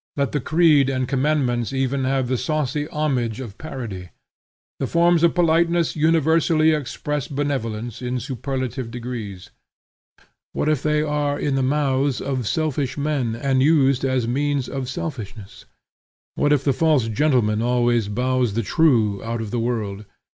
Let the creed and commandments even have the saucy homage of parody. The forms of politeness universally express benevolence in superlative degrees. What if they are in the mouths of selfish men, and used as means of selfishness? What if the false gentleman almost bows the true out Of the world?